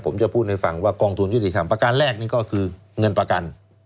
ผมจะพูดให้ฟังว่ากองทุนยุติธรรมประการแรกนี่ก็คือเงินประกัน